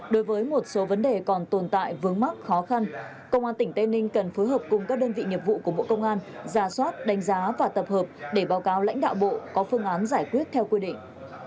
đối với một số vấn đề còn tồn tại vướng mắc khó khăn công an tỉnh tây ninh cần phối hợp cùng các đơn vị nghiệp vụ của bộ công an ra soát đánh giá và tập hợp để báo cáo lãnh đạo bộ có phương án giải quyết theo quy định